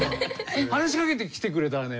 話しかけてきてくれたらね